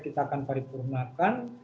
kita akan paripurnakan